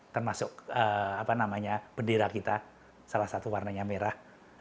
termasuk bendera kita salah satu warnanya merah